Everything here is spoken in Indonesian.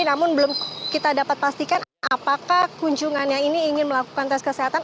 namun belum kita dapat pastikan apakah kunjungannya ini ingin melakukan tes kesehatan